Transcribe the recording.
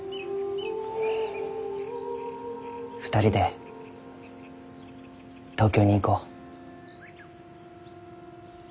２人で東京に行こう。